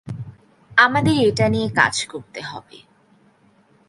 আমাদের এটা নিয়ে কাজ করতে হবে।